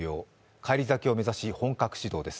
返り咲きを目指し、本格始動です。